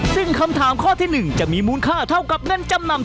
ซึ่งคำถามข้อที่๑จะมีมูลค่าเท่ากับเงินจำนำ